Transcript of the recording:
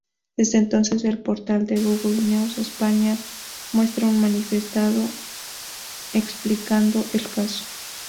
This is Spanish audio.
Desde entonces el portal de Google News España muestra un manifiesto explicando el caso.